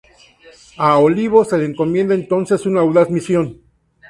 A Olivo se le encomienda entonces una audaz misión.